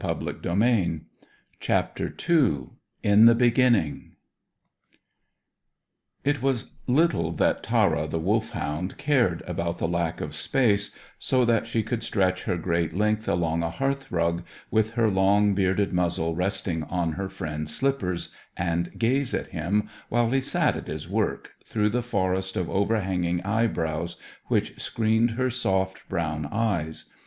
CHAPTER II IN THE BEGINNING It was little that Tara, the Wolfhound, cared about lack of space, so that she could stretch her great length along a hearthrug, with her long, bearded muzzle resting on her friend's slippers, and gaze at him, while he sat at his work, through the forest of overhanging eyebrows which screened her soft, brown eyes.